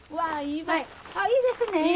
ああいいですね！